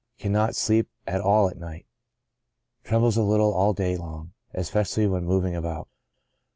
Cannot sleep at all at night. Trembles a little all day long, especially when moving about.